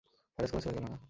Virus কোন ছেলেখেলা না!